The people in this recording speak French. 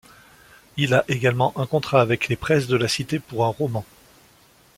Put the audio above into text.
Il a également un contrat avec les Presses de la cité pour un roman.